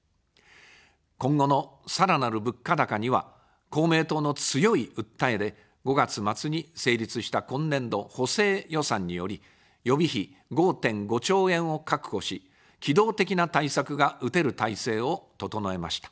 今後のさらなる物価高には公明党の強い訴えで、５月末に成立した今年度補正予算により、予備費５．５兆円を確保し、機動的な対策が打てる体制を整えました。